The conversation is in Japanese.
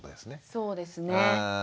そうですね。